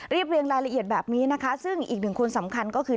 เรียงรายละเอียดแบบนี้นะคะซึ่งอีกหนึ่งคนสำคัญก็คือ